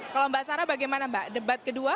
kalau mbak sarah bagaimana mbak debat kedua